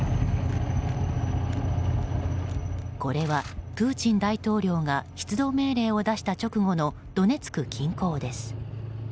これは、プーチン大統領が出動命令を出した直後のドネツク近郊です。